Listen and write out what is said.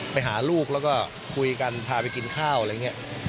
ไปหาลูกแล้วก็คุยกันพาไปกินข้าวอะไรอย่างนี้